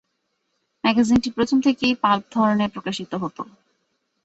ম্যাগাজিনটি প্রথম থেকেই পাল্প ধরনে প্রকাশিত হত।